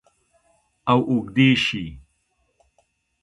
او اوږدې شي